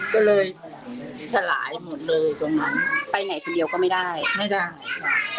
ก็เลยสลายหมดเลยตรงนั้นไปไหนคนเดียวก็ไม่ได้ไม่ได้ค่ะ